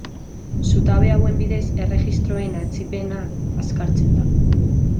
Zutabe hauen bidez erregistroen atzipena azkartzen da.